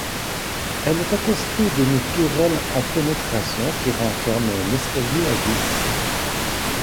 Elle est accostée d'une tourelle en pénétration qui renferme un escalier à vis.